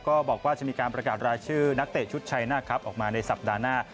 ก็บอกว่าจะมีการประกาศรายชื่อนักเตะชุดชัยหน้าครับออกมาในสัปดาห์หน้า